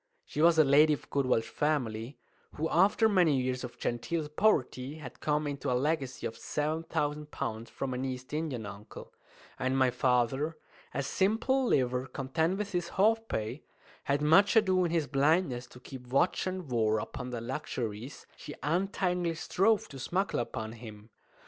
She was a lady of good Welsh family, who after many years of genteel poverty had come into a legacy of seven thousand pounds from an East Indian uncle; and my father a simple liver, content with his half pay had much ado in his blindness to keep watch and war upon the luxuries she untiringly strove to smuggle upon him.